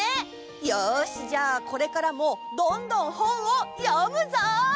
よしじゃあこれからもどんどん本を読むぞ！